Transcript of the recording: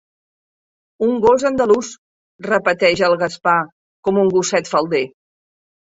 Un gos andalús —repeteix el Gaspar com un gosset falder.